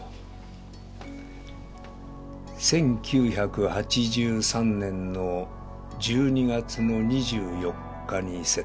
１９８３年の１２月の２４日にセットした。